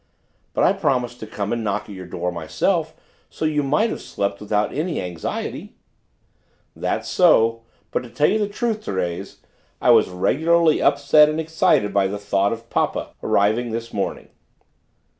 "But I promised to come and knock at your door myself, so you might have slept without any anxiety." "That's so, but to tell you the truth, Thérèse, I was regularly upset and excited by the thought of papa arriving this morning."